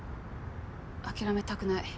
諦めたくない。